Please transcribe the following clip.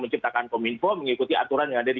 menciptakan kominfo mengikuti aturan yang ada di